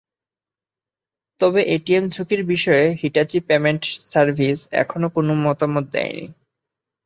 তবে এটিএম ঝুঁকির বিষয়ে হিটাচি পেমেন্ট সার্ভিস এখনো কোনো মতামত দেয়নি।